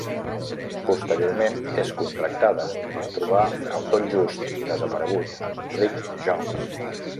Posteriorment és contractada per trobar el tot just desaparegut Rick Jones.